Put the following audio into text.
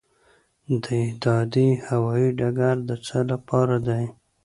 دهدادي هوايي ډګر د څه لپاره دی؟